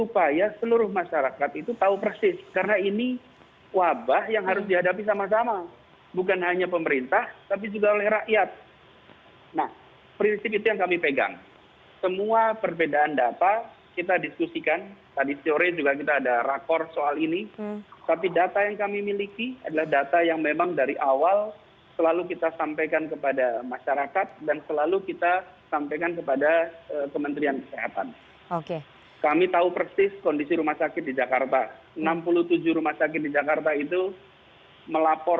pada saat itu kita gunakan sikm